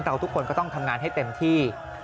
ทุกคนก็ต้องทำงานให้เต็มที่